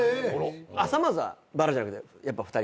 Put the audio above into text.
さまぁずはバラじゃなくてやっぱ２人で。